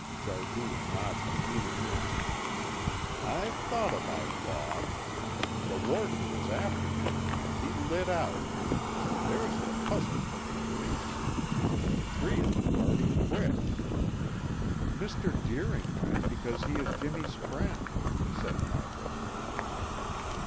Jardine nodded meaningly. "I've thought aboot Bob! The warden was after him and he lit oot. There's the puzzle for the police; three o' the party quit!" "Mr. Deering went because he is Jimmy's friend," said Margaret.